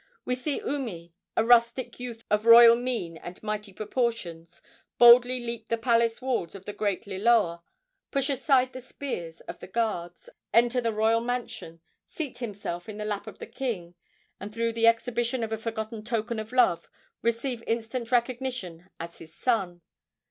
We see Umi, a rustic youth of royal mien and mighty proportions, boldly leap the palace walls of the great Liloa, push aside the spears of the guards, enter the royal mansion, seat himself in the lap of the king, and through the exhibition of a forgotten token of love receive instant recognition as his son.